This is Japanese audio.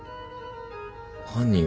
犯人は？